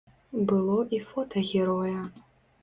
Было і фота героя.